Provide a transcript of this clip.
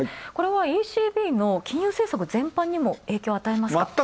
これはＥＣＢの金融政策全般にも影響を与えますか？